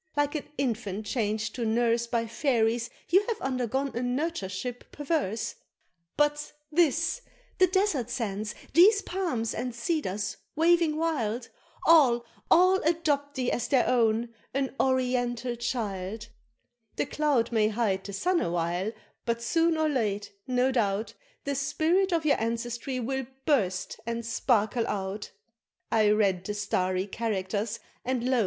Like an infant changed to nurse By fairies, you have undergone a nurtureship perverse; But this these desert sands these palms, and cedars waving wild, All, all, adopt thee as their own an oriental child The cloud may hide the sun awhile but soon or late, no doubt, The spirit of your ancestry will burst and sparkle out! I read the starry characters and lo!